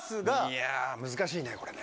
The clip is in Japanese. いやぁ、難しいね、これね。